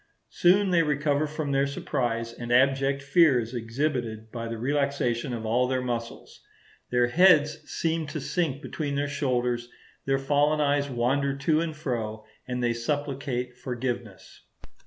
Soon they recover from their surprise, and abject fear is exhibited by the relaxation of all their muscles; their heads seem to sink between their shoulders; their fallen eyes wander to and fro; and they supplicate forgiveness.